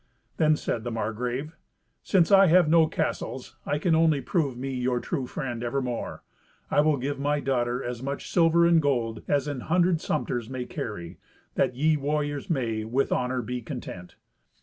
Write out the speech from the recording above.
Then said the Margrave, "Since I have no castles, I can only prove me your true friend evermore. I will give my daughter as much silver and gold as an hundred sumpters may carry, that ye warriors may, with honour, be content."